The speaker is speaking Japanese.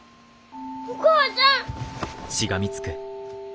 お母ちゃん！